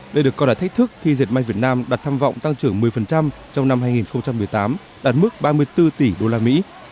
đây được coi là thách thức khi dẹp may việt nam đạt tham vọng tăng trưởng một mươi trong năm hai nghìn một mươi tám đạt mức ba mươi bốn tỷ usd